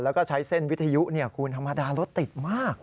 แล้วก็ใช้เส้นวิทยุคุณธรรมดารถติดมาก